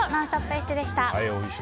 ＥＳＳＥでした。